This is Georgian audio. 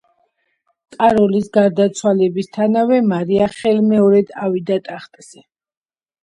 კაროლის გარდაცვალებისთანავე, მარია ხელმეორედ ავიდა ტახტზე.